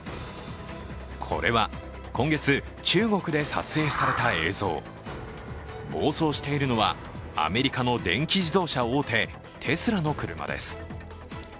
これは今月、中国で撮影された映像暴走しているのは、アメリカの電気自動車大手、テスラの車です。